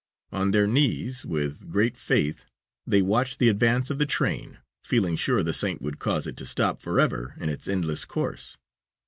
On their knees, with great faith, they watched the advance of the train, feeling sure the saint would cause it to stop forever in its endless course.